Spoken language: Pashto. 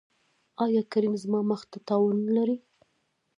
ایا کریم زما مخ ته تاوان لري؟